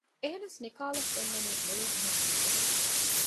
އެހެނަސް ނިކާލަށް ފެންނަނީ މުޅީން އެހެން މަންޒަރެއް